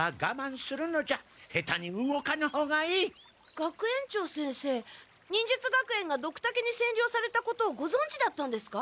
学園長先生忍術学園がドクタケにせんりょうされたことをごぞんじだったんですか？